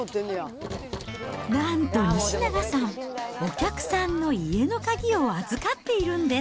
なんと西永さん、お客さんの家の鍵を預かっているんです。